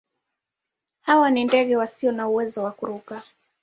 Hawa ni ndege wasio na uwezo wa kuruka.